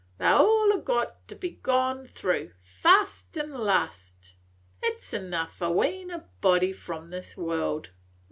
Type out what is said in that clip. They 's all got to be gone through, fust an' last. It 's enough to wean a body from this world.